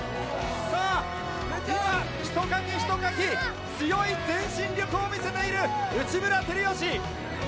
さぁ今ひとかきひとかき強い前進力を見せている内村光良！